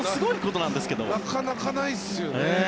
なかなかないですよね。